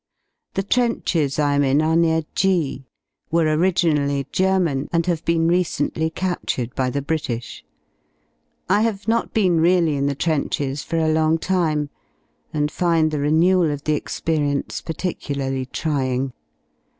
^ The trenches I am in are near G , were originally German, and have been recently captured by the British. I have not been really in the trenches for a long time, and find the renewal of the experience particularly trying.